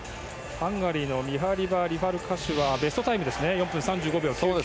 ハンガリーのミハーリバーリ・ファルカシュはベストタイムで選手３分３５秒９９。